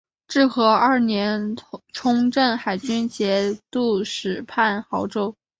至和二年充镇海军节度使判亳州。